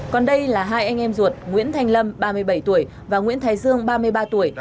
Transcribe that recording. còn đây là hai anh em ruột nguyễn thanh lâm ba mươi bảy tuổi và nguyễn thái dương ba mươi ba tuổi